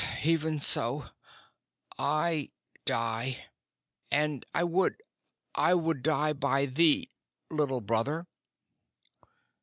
"Even so. I die, and I would I would die by thee, Little Brother."